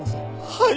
はい。